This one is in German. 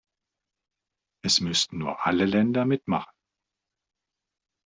Es müssten nur alle Länder mitmachen.